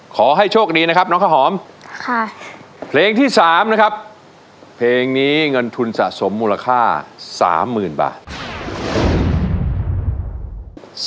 ขอให้โชคดีนะครับน้องค่ะหอมค่ะเพลงที่สามนะครับเพลงนี้เงินทุนสะสมมูลค่าสามหมื่นบาท